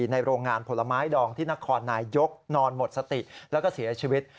โรงงานผลไม้ดองที่นครนายยกนอนหมดสติแล้วก็เสียชีวิต